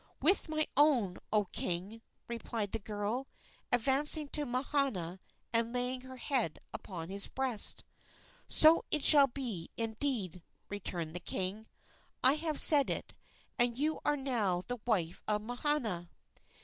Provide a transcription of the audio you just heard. "With my own, O king!" replied the girl, advancing to Mahana and laying her head upon his breast. "So shall it be, indeed," returned the king. "I have said it, and you are now the wife of Mahana."